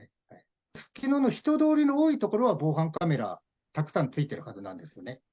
すすきのの人通りの多い所は、防犯カメラ、たくさんついてるはずなんですね。